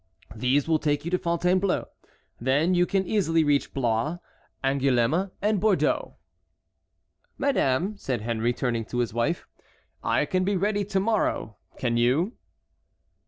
These will take you to Fontainebleau. Then you can easily reach Blois, Angoulême, and Bordeaux." "Madame," said Henry, turning to his wife, "I can be ready by to morrow; can you?"